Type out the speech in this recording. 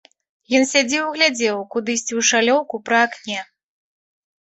Ён сядзеў і глядзеў кудысьці ў шалёўку пры акне.